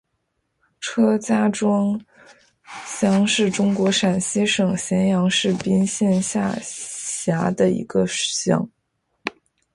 车家庄乡是中国陕西省咸阳市彬县下辖的一个乡。